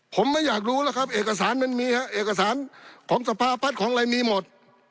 ผมไม่อยากรู้แล้วครับเอกสารมันมีฮะเอกสารของสภาพัฒน์ของอะไรมีหมด